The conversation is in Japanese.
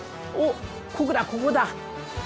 おっここだここだ！